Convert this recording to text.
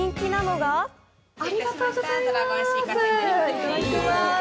いただきまーす。